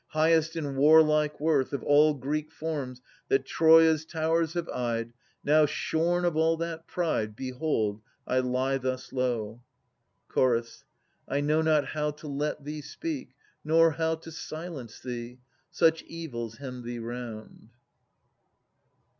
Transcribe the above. Highest in warlike worth Of all Greek forms that Troia's towers have eyed: Now, shorn of all that pride, Behold! I lie thus low. Ch. I know not how to let thee speak, nor how To silence thee. Such evils hem thee round.